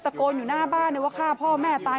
โกนอยู่หน้าบ้านเลยว่าฆ่าพ่อแม่ตาย